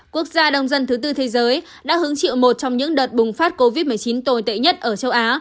quốc gia đông dân thứ tư thế giới đã hứng chịu một trong những đợt bùng phát covid một mươi chín tồi tệ nhất ở châu á